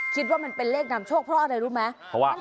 คิดว่ามันเป็นเลขนำโชคเพราะอะไรรู้ไหม